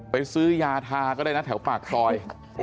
ซื้อยาทาก็ได้นะแถวปากซอย